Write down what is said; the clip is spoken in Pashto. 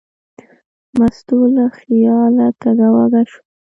مستو له خیاله کږه وږه شوه.